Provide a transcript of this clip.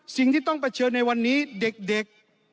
สิ่งที่ต้องเผชิญในวันนี้เด็ก